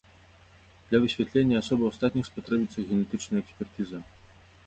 Для высвятлення асобаў астатніх спатрэбіцца генетычная экспертыза.